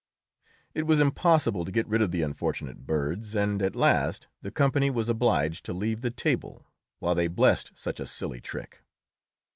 It was impossible to get rid of the unfortunate birds, and at last the company was obliged to leave the table, while they blessed such a silly trick.